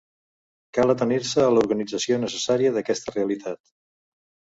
Cal atenir-se a l'organització necessària d'aquesta realitat.